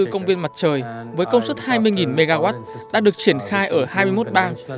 hai mươi công viên mặt trời với công suất hai mươi mw đã được triển khai ở hai mươi một bang